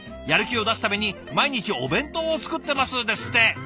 やる気を出すために毎日お弁当を作ってます」ですって。